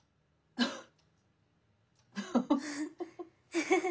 フフフフ。